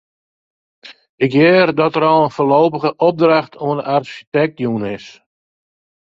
Ik hear dat der al in foarlopige opdracht oan de arsjitekt jûn is.